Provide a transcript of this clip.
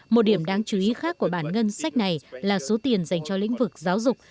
một điểm đáng chú ý khác của bản ngân sách này là số tiền dành cho lĩnh vực giáo dục